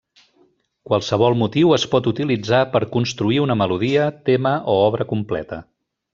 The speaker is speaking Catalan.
Qualsevol motiu es pot utilitzar per a construir una melodia, tema o obra completa.